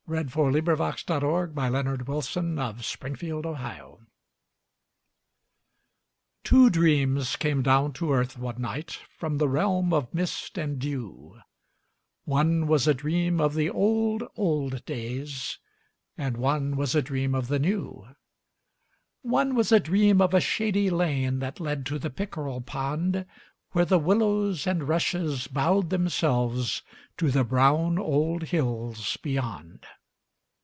JM Embroideries & Collectibles The Dreams By Eugene Field Two dreams came down to earth one night From the realm of mist and dew; One was a dream of the old, old days, And one was a dream of the new. One was a dream of a shady lane That led to the pickerel pond Where the willows and rushes bowed themselves To the brown old hills beyond.